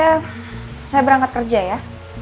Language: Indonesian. yaudah kalau gitu saya berangkat kerja ya